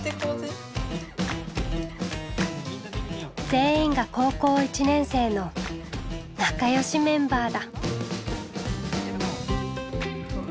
全員が高校１年生の仲よしメンバーだ。